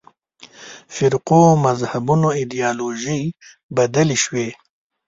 فرقو مذهبونو ایدیالوژۍ بدلې شوې.